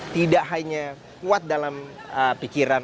tidak hanya kuat dalam pikiran